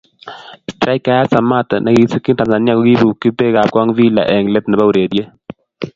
Straikait Samatta ne kikisikchin Tanzania ko kibukchi beekab kong Villa eng let nebo urerie.